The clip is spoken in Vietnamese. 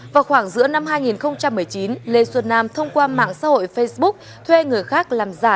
vào khoảng giữa năm hai nghìn một mươi chín lê xuân nam thông qua mạng xã hội facebook thuê người khác làm giả